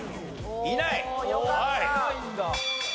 いないんだ。